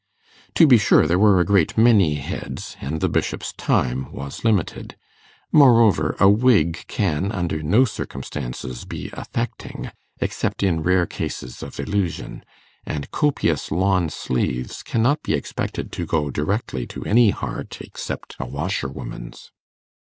To be sure there were a great many heads, and the Bishop's time was limited. Moreover, a wig can, under no circumstances, be affecting, except in rare cases of illusion; and copious lawn sleeves cannot be expected to go directly to any heart except a washerwoman's.